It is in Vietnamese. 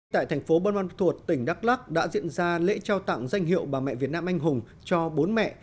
tại thành phố bân băn thuột tỉnh đắk lắc đã diễn ra lễ trao tặng danh hiệu bà mẹ việt nam anh hùng cho bốn mẹ